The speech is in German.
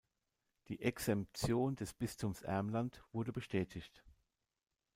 Die Exemtion des Bistums Ermland wurde bestätigt.